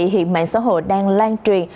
hiện mạng xã hội đang lan truyền